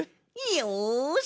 よし！